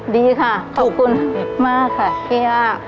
ดีค่ะขอบคุณมากค่ะพี่